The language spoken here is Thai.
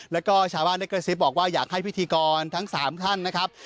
แล้วก็ชาวบ้านบอกว่าอยากให้พิธีกรทั้งสามท่านนะครับ